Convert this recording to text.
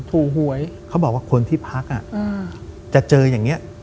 ถูกหวยเขาบอกว่าคนที่พักจะเจออย่างนี้